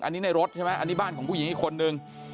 อันนี้บ้านของผู้หญิงอีกคนหนึ่ง